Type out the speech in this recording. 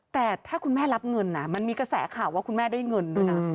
แต่ถ้าคุณแม่รับเงินมันมีกระแสข่าวว่าคุณแม่ได้เงินด้วยนะ